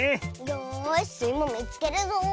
よしスイもみつけるぞ。